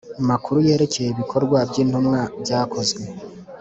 makuru yerekeye ibikorwa by Intumwa byakozwe